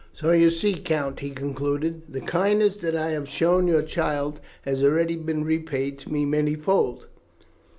"So you see, Count," he concluded, "the kindness that I had shown your child has already been repaid to me many fold.